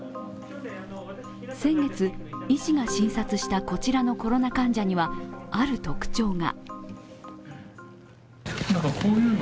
先月、医師が診察したこちらのコロナ患者には、ある特徴が。